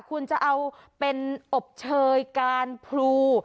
คุณจะเอาเป็นอบเชยการพลู